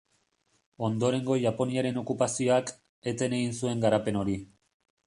Ondorengo Japoniaren okupazioak, eten egin zuen garapen hori.